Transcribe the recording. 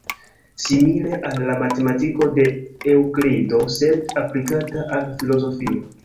Simile al la matematiko de Eŭklido, sed aplikita al filozofio.